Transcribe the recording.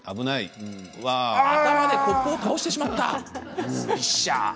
頭でコップを倒してしまった。